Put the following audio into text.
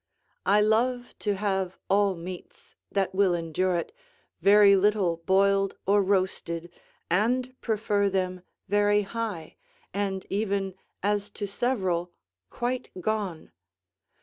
I love to have all meats, that will endure it, very little boiled or roasted, and prefer them very high, and even, as to several, quite gone.